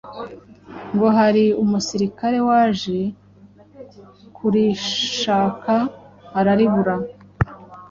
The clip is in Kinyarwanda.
Ngo hari umusirikare waje kurishaka araribura